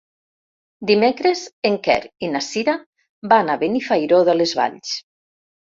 Dimecres en Quer i na Sira van a Benifairó de les Valls.